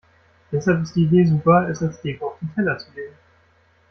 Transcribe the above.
Deshalb ist die Idee super, es als Deko auf den Teller zu legen.